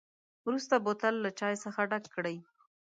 وروسته بوتل له چای څخه ډک کړئ.